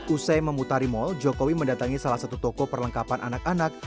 usai memutari mal jokowi mendatangi salah satu toko perlengkapan anak anak